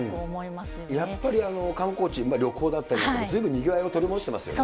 やっぱり観光地、旅行だったりなんかもずいぶんにぎわいを取り戻してますよね。